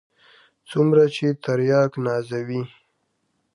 څومره چې ترياک نازوي.